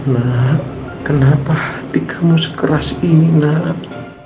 nak kenapa hati kamu sekeras ini nak